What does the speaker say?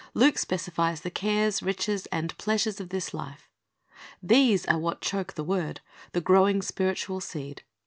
Luke specifies the cares, riches, and pleasures of this life. These are what choke the word, the growing spiritual seed.